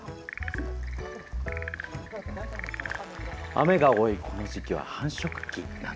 雨が多いこの時期は繁殖期。